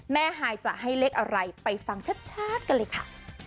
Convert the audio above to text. แม่ไหล่จะให้เลขอะไรไปฟังชักกันเลยค่ะ